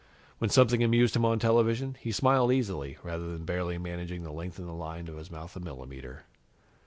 When something amused him on television, he smiled easily, rather than barely managing to lengthen the thin line of his mouth a millimeter.